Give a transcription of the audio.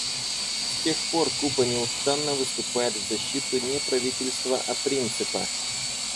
С тех пор Куба неустанно выступает в защиту не правительства, а принципа.